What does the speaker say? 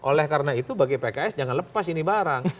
oleh karena itu bagi pks jangan lepas ini barang